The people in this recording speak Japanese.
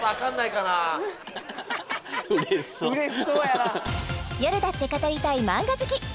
「よるだって語りたいマンガ好き」